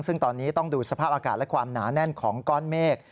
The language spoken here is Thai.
ซึ่งตอนนี้ต้องดูสภาพอากาศและความหนาแน่นของก้อนเมฆ